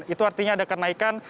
itu artinya ada kenaikan